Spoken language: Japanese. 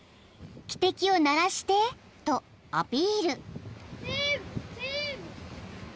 ［汽笛を鳴らしてとアピール］